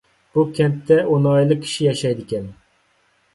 بۇ كەنتتە ئون ئائىلىلىك كىشى ياشايدىكەن.